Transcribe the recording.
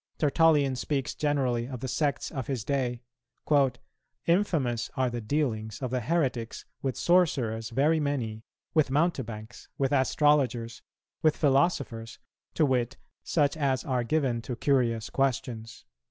Tertullian speaks generally of the sects of his day: "Infamous are the dealings of the heretics with sorcerers very many, with mountebanks, with astrologers, with philosophers, to wit, such as are given to curious questions.